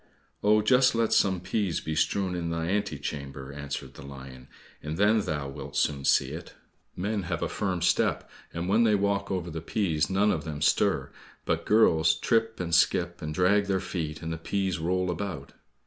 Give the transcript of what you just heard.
"Oh, just let some peas be strewn in thy ante chamber," answered the lion, "and then thou wilt soon see it. Men have a firm step, and when they walk over the peas none of them stir, but girls trip and skip, and drag their feet, and the peas roll about."